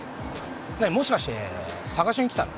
何もしかして探しに来たの？